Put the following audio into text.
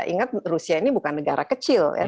ingat rusia ini bukan negara kecil ya